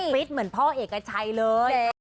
ฟิตเหมือนพ่อเอกชัยเลย